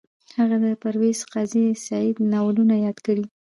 هغې د پرویز قاضي سعید ناولونه یاد کړل